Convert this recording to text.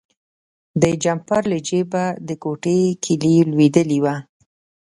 د جمپر له جیبه د کوټې کیلي لویدلې وه.